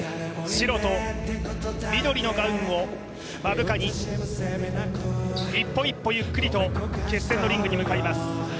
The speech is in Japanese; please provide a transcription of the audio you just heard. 白と緑のダウンを目深に一歩一歩ゆっくりと決戦のリングに向かいます。